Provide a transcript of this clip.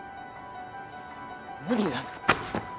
無理だ！